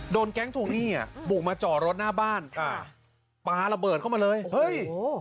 โดนแก๊งทวงหนี้อ่ะบุกมาจอรถหน้าบ้านอ่าปลาระเบิดเข้ามาเลยเฮ้ยโอ้โห